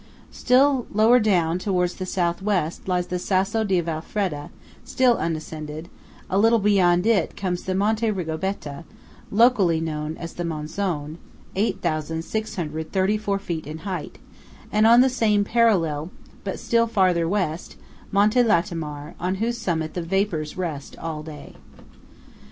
Still lower down towards the South West lies the Sasso di Val Fredda, still unascended; a little beyond it comes the Monte Ricobetta, locally known as the Monzon, 8,634 feet in height; and on the same parallel, but still farther west, Monte Latemar, on whose summit the vapours rest all day.